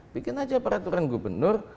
bikin aja peraturan gubernur